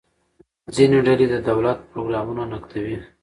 ځینې ډلې د دولت پروګرامونه نقدوي.